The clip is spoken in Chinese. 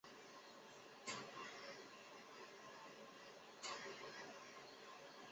这对鞋子才三百三十。